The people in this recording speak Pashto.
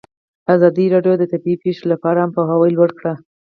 ازادي راډیو د طبیعي پېښې لپاره عامه پوهاوي لوړ کړی.